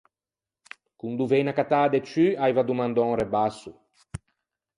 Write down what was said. Con doveine accattâ de ciù, aiva domandou un rebasso.